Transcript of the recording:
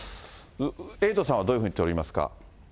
エイトさんはどういうふうに取りますか。